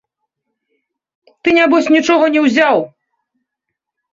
Ты нябось нічога не ўзяў.